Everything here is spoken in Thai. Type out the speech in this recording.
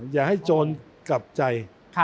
อย่าให้โจรกลับใจ